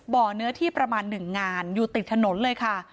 เนื้อที่ประมาณ๑งานอยู่ติดถนนเลยค่ะ